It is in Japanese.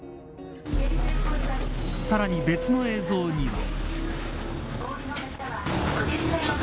さらに別の映像には。